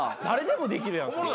誰でもできるやん。